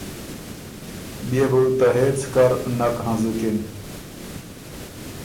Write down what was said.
بيې بو ته هېڅ کر نک هنزُکِن۔